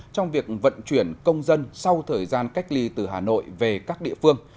trong việc vận chuyển công dân sau thời gian cách ly từ hà nội về các địa phương